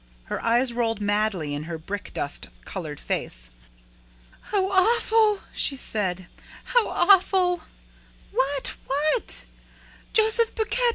Her eyes rolled madly in her brick dust colored face. "How awful!" she said. "How awful!" "What? What?" "Joseph Buquet!"